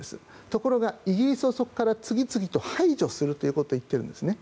ところがイギリスをそこから次々と排除するということを言っているんですね。